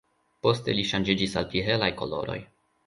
Poste li ŝanĝiĝis al pli helaj koloroj.